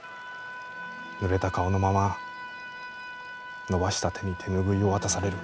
濡れた顔のまま伸ばした手に手拭いを渡される。